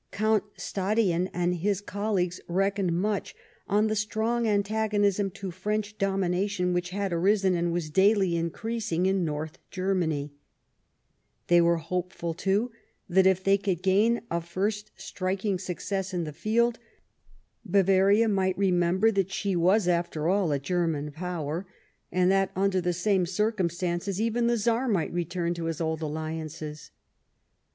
Count Stadion and his colleagues reckoned much on the strong antagonism to French domination which had risen, and was daily increasing, in North Germany ; they were hopeful, too, that if they could gain a first striking success in the field, Bavaria might rememher that she was, after all, a German power ; and that, under the same circumstances, even the Czar mif^ht return to his old alliances.